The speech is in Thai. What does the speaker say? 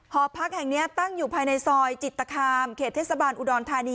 หอพักแห่งนี้ตั้งอยู่ภายในซอยจิตคามเขตเทศบาลอุดรธานี